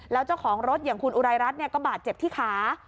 แล้วเจ้าของรถอย่างคุณอุรายรัฐก็บาดเจ็บที่ขา